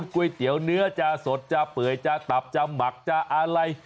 ก๋วยเตี๋ยวเนื้อจะสดจะเปื่อยจะตับจะหมักจะอะไร